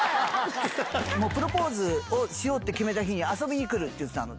もうプロポーズをしようって決めた日に、遊びに来るって言ったの。